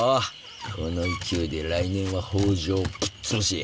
この勢いで来年は北条をぶっ潰し